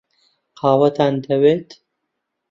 قاوەتان دەوێت؟